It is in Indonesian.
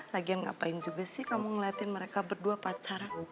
lagi ngapain juga sih kamu ngeliatin mereka berdua pacaran